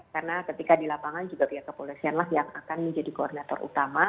karena ketika di lapangan juga pihak kepolisian lah yang akan menjadi koordinator utama